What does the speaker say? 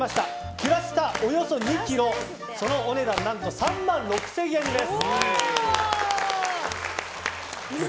クラシタ、およそ２ｋｇそのお値段何と３万６０００円です。